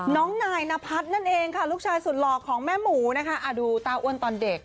น้องนายนพัฒน์นั่นเองค่ะลูกชายสุดหล่อของแม่หมูนะคะดูตาอ้วนตอนเด็ก